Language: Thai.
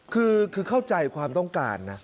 คือเข้าใจความต้องการนะ